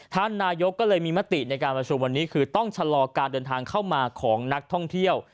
ท่านนายกก็เลยมีมติในการประชุมวันนี้คือต้องชะลอการเดินทางเข้ามาของนักท่องเที่ยว